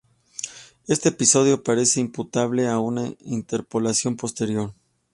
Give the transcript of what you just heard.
Este episodio aparece imputable a una interpolación posterior.